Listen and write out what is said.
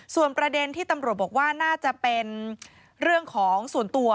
ส่วนประเด็นที่ตำรวจบอกว่าน่าจะเป็นเรื่องของส่วนตัว